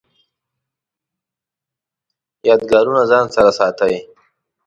یادګارونه ځان سره ساتئ؟